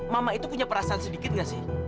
mama itu punya perasaan sedikit gak sih